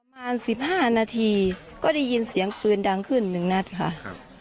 ประมาณสิบห้านาทีก็ได้ยินเสียงปืนดังขึ้นหนึ่งนัดค่ะครับ